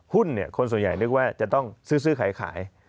หุ้นคนส่วนใหญ่นึกว่าจะต้องซื้อขาย